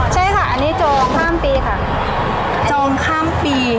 ใช่ค่ะอันนี้จองข้ามปีค่ะจองข้ามปี